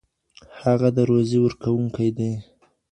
هغه د روزي ورکوونکی دی.